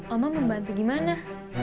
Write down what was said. oma membantu gimana